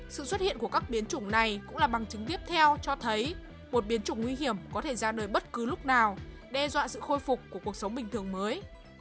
sự xuất hiện của các biến chủng này cũng là bằng chứng tiếp theo cho thấy một biến chủng nguy hiểm có thể ra đời bất cứ lúc nào đe dọa sự khôi phục của cuộc sống bình thường mới